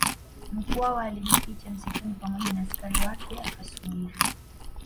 Mkwawa alijificha msituni pamoja na askari wake akasubiri